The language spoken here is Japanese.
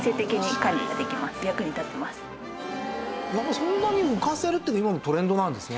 そんなに浮かせるって今のトレンドなんですね。